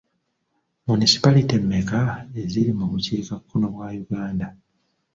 Munisipalite mmeka eziri mu bukiikakkono bwa Uganda?